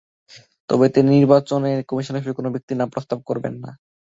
তবে তিনি নির্বাচন কমিশনার হিসেবে কোনো ব্যক্তির নাম প্রস্তাব করবেন না।